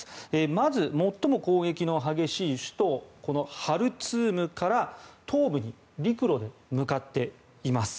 まず、最も攻撃の激しい首都ハルツームから東部に陸路で向かっています。